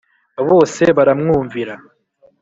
Bose baramwumvira